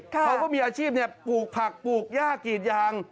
เขาก็มีอาชีพปลูกผักปลูกย่ากรีดยาง